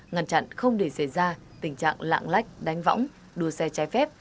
ngăn chặn không để xảy ra tình trạng lạng lách đánh võng đua xe trái phép